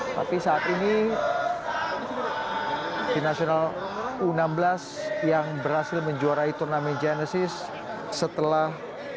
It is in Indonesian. tapi saat ini tim nasional u enam belas yang berhasil menjuarai turnamen genesis setelah